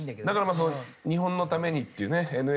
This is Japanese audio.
だからまあその日本のためにっていうね